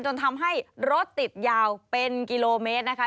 จนทำให้รถติดยาวเป็นกิโลเมตรนะคะ